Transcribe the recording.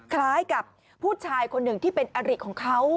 คล้ายกับผู้ชายคนหนึ่งที่เป็นอริของเขา